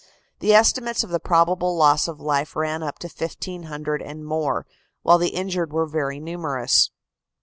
The estimates of the probable loss of life ran up to 1,500 and more, while the injured were very numerous.